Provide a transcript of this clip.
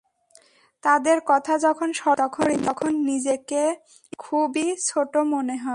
তাঁদের কথা যখন স্মরণ করি, তখন নিজেকে খুবই ছোট মনে হয়।